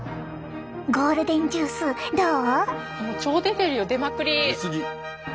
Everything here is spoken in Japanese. ゴールデンジュースどう？